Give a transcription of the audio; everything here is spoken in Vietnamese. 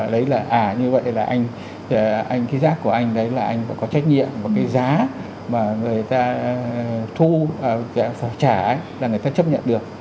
đấy là à như vậy là anh cái giác của anh đấy là anh phải có trách nhiệm và cái giá mà người ta thu phải trả là người ta chấp nhận được